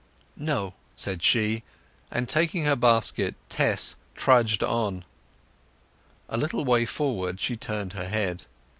"No," said she; and taking her basket Tess trudged on. A little way forward she turned her head.